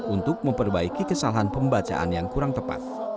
untuk memperbaiki kesalahan pembacaan yang kurang tepat